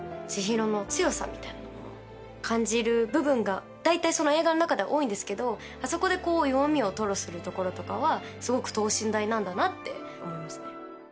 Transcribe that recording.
千尋の強さみたいなものを感じる部分が映画の中では多いんですけどあそこで弱みを吐露するところとかはすごく等身大なんだなって思いますね。